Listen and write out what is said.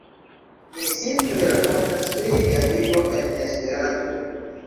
Mi simple rakontas pri mia vivo en Esperanto.